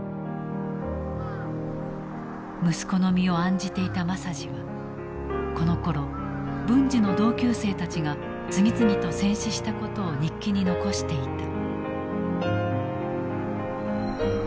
息子の身を案じていた政次はこのころ文次の同級生たちが次々と戦死したことを日記に残していた。